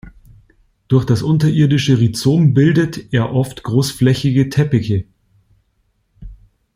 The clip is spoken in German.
Durch das unterirdische Rhizom bildet er oft großflächige Teppiche.